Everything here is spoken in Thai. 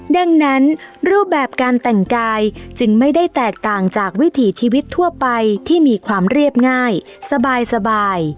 ดังนั้นรูปแบบการแต่งกายจึงไม่ได้แตกต่างจากวิถีชีวิตทั่วไปที่มีความเรียบง่ายสบาย